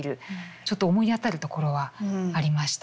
ちょっと思い当たるところはありました。